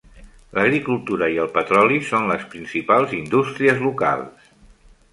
L'agricultura i el petroli són les principals indústries locals.